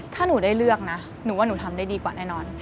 ถ้าหนูได้เลือกนะหนูว่าหนูทำได้ดีกว่าแน่นอน